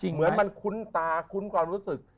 เหมือนมันคุ้นตาคุ้นความรู้สึก